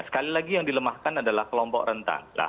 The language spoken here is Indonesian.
sekali lagi yang dilemahkan adalah kelompok rentan